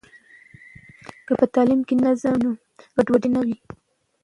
که په تعلیم کې نظم وي، نو ګډوډي نه وي.